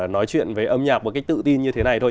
nói chuyện với âm nhạc một cách tự tin như thế này thôi